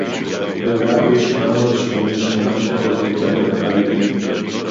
ובעכו יש שמונה מאות שמונים ושמונה משפחות עם יותר מארבעה ילדים